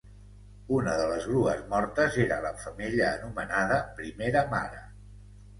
Una de les grues mortes era la femella anomenada "Primera mare".